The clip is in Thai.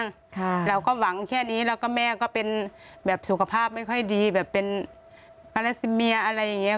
ค่ะเราก็หวังแค่นี้แล้วก็แม่ก็เป็นแบบสุขภาพไม่ค่อยดีแบบเป็นอเล็กซิเมียอะไรอย่างเงี้